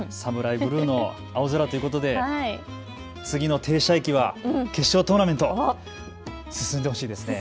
ブルーの青空ということで次の停車駅は決勝トーナメント、進んでほしいですね。